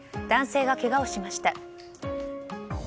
男性がけがをしました。